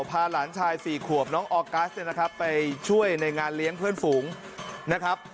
พาหลานชายสี่ขวบน้องออกัสไปช่วยในงานเลี้ยงเพื่อนฝูงนะครับ